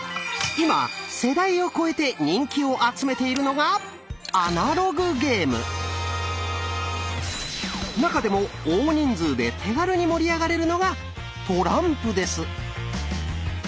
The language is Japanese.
今世代を超えて人気を集めているのが中でも大人数で手軽に盛り上がれるのがトランプです。